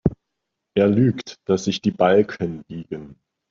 Er lügt, dass sich die Balken biegen.